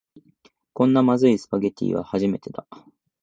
こんなまずいスパゲティは初めてだ